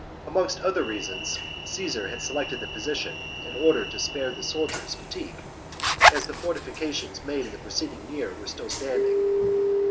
Amongst other reasons, Caesar had selected the position in order to spare the soldiers fatigue, as the fortifi cations made in the preceding year were still standing.